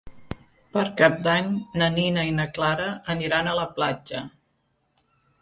Per Cap d'Any na Nina i na Clara aniran a la platja.